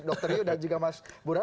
dr ryu dan juga mas burhan